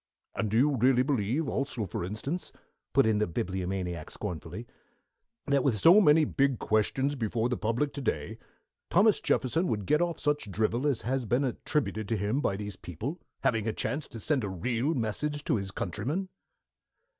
"And do you really believe, also for instance," put in the Bibliomaniac scornfully, "that with so many big questions before the public to day Thomas Jefferson would get off such drivel as has been attributed to him by these people, having a chance to send a real message to his countrymen?"